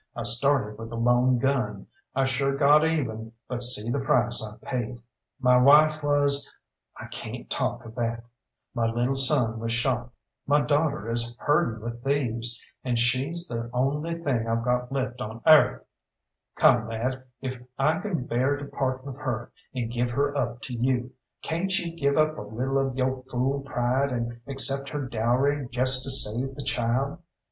I started with a lone gun, I sure got even, but see the price I paid. My wife was I cayn't talk of that. My lil' son was shot. My daughter is herding with thieves and she's the only thing that I've got left on airth. Come, lad, if I can bear to part with her, and give her up to you, cayn't you give up a little of yo' fool pride and accept her dowry jest to save the child?